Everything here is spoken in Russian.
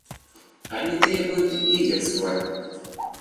Они требуют лидерства.